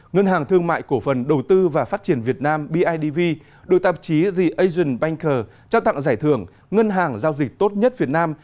ngân hàng thương mại cổ phần đầu tư và phát triển việt nam bidv đưa tạp chí the asian banker trao tặng giải thưởng ngân hàng giao dịch tốt nhất việt nam